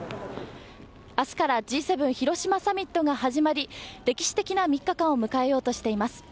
明日からＧ７広島サミットが始まり歴史的な３日間を迎えようとしています。